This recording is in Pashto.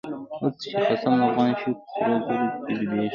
اوس چی خصم د افغان شو، په سرو زرو کی ډوبيږی